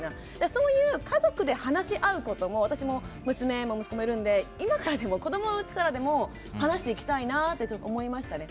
そういう家族で話し合うことも私も娘も息子もいるので今からでも子供のうちからでも話していきたいなと思いましたね。